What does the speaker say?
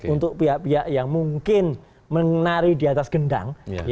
untuk pihak pihak yang mungkin menari di atas gendang